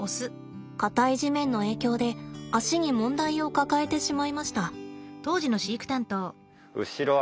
硬い地面の影響で足に問題を抱えてしまいました。